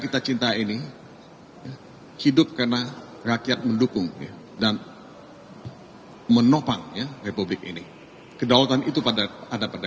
kita cinta ini hidup karena rakyat mendukung dan menopangnya republik ini kedaulatan itu pada ada